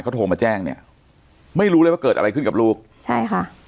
เขาโทรมาแจ้งเนี่ยไม่รู้เลยว่าเกิดอะไรขึ้นกับลูกใช่ค่ะ